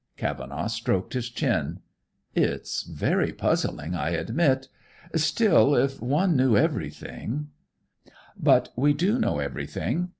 Cavenaugh stroked his chin. "It's very puzzling, I admit. Still, if one knew everything " "But we do know everything.